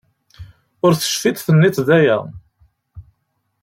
Ur tecfiḍ tenniḍ-d aya.